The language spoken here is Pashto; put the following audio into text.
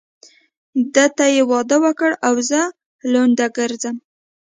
ده ته يې واده وکړ او زه لونډه ګرځم.